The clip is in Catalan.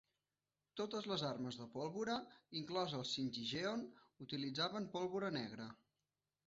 Totes les armes de pólvora, inclòs el singijeon, utilitzaven pólvora negra.